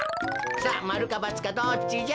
さあまるかばつかどっちじゃ？